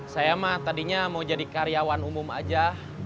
saya mah tadinya mau jadi karyawan umum aja